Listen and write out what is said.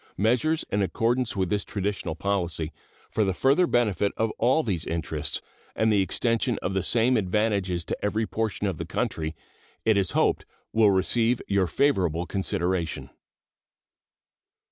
Measures in accordance with this traditional policy, for the further benefit of all these interests and the extension of the same advantages to every portion of the country, it is hoped will receive your favorable consideration.